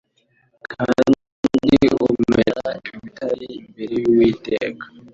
kandi umenagura ibitare imbere y'Uwiteka.